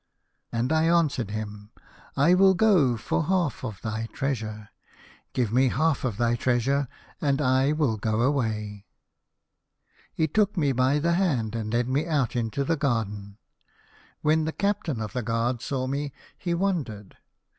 " And I answered him, ' I will go for half of thy treasure. Give me half of thy treasure, and I will go away.' " He took me by the hand, and led me out into the garden. When the captain of the guard saw me, he wondered.